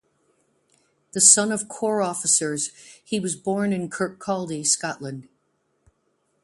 The son of corps officers, he was born in Kirkcaldy, Scotland.